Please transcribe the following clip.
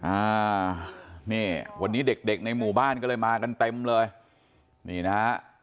อ่านี่วันนี้เด็กเด็กในหมู่บ้านก็เลยมากันเต็มเลยนี่นะฮะ